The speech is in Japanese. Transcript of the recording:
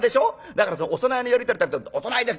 だからお供えのやり取りったって『お供えです』